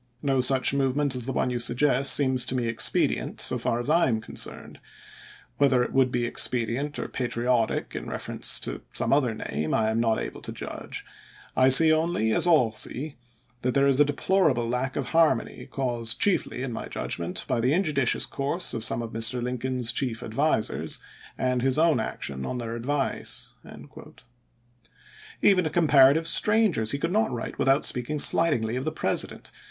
No such movement as the one you suggest seems to me expedient so far as I am con cerned. Whether it would be expedient or patriotic in reference to some other name, I am not able to _. judge. I see only, as all see, that there is a deplor AJfJJ^lf able lack of harmony, caused chiefly, in my judg warden, ment, by the injudicious course of some of Mr. saimfoen°p. Lincoln's chief advisers, and his own action on P.T29. their advice." Even to comparative strangers he could not write without speaking slightingly of the President.